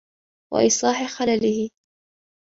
وَإِصْلَاحِ خَلَلِهِ